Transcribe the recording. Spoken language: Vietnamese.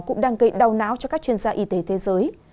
cũng đang gây đau não cho các chuyên gia y tế thế giới